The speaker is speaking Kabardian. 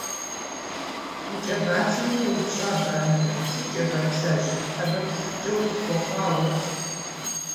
И кӏэ бацэми еупщӏащ бажэр: - Си кӏэ бацэжь, сэбэп сыткӏэ укъысхуэхъуа уэ?